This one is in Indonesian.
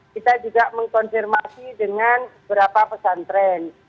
kita juga mengkonfirmasi dengan beberapa pesantren